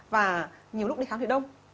và nhiều lúc đi khám thì đông